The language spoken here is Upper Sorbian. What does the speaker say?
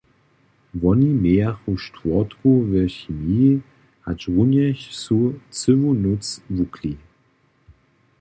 Woni mějachu štwórtku w chemiji, hačrunjež su cyłu nóc wukli.